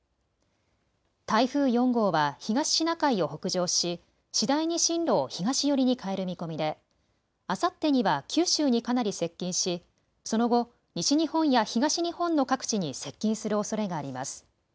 台風４号は東シナ海を北上し次第に進路を東寄りに変える見込みであさってには九州にかなり接近しその後、西日本や東日本の各地に接近するおそれがあります。